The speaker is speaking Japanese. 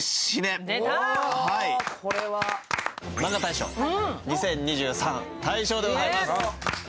マンガ大賞２０２３大賞でございます。